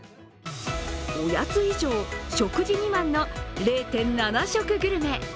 おやつ以上、食事未満の０．７食グルメ。